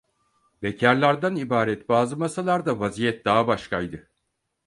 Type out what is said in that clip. Bekârlardan ibaret bazı masalarda vaziyet daha başkaydı.